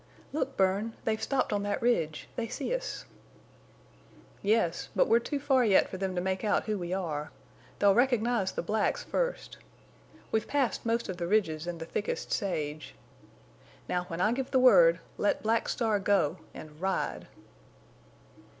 "Look, Bern! They've stopped on that ridge. They see us." "Yes. But we're too far yet for them to make out who we are. They'll recognize the blacks first. We've passed most of the ridges and the thickest sage. Now, when I give the word, let Black Star go and ride!"